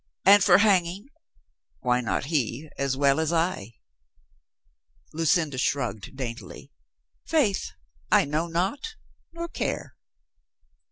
"And for hanging, why not he as well as I ?" Lucinda shrugged daintily. "Faith, I know not, nor care.